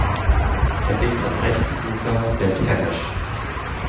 Er liegt am rechten Ufer der Temesch.